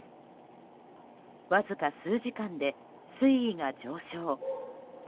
わずか数時間で水位が上昇。